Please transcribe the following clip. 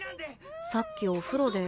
さっきお風呂で。